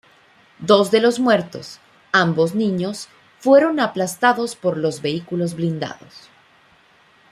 Dos de los muertos, ambos niños, fueron aplastados por los vehículos blindados.